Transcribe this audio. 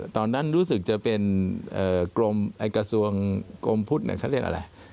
ตอนนั้นรู้สึกจะเป็นกรมกระทรวงกรมพุทธเขาเรียกอะไร